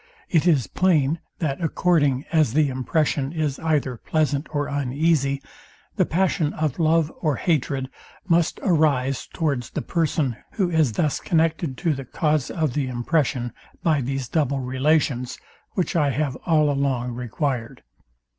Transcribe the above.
It is plain, that, according as the impression is either pleasant or uneasy, the passion of love or hatred must arise towards the person, who is thus connected to the cause of the impression by these double relations, which I have all along required.